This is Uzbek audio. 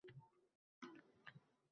Uzimni kursatsam bulardi yona